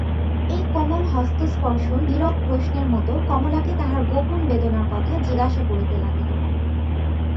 এই কোমল হস্তস্পর্শ নীরব প্রশ্নের মতো কমলাকে তাহার গোপন বেদনার কথা জিজ্ঞাসা করিতে লাগিল।